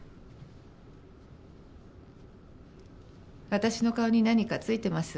私の顔に何か付いてます？